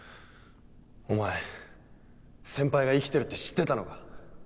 おまえ先輩が生きてるって知ってたのか？